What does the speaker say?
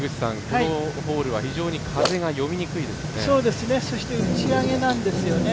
このホールは非常に風が読みにくいですね。